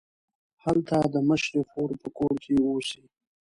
هلته د مشرې خور په کور کې اوسي.